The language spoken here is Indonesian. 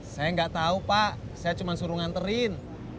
saya gak tau pak saya cuma suruh nganterin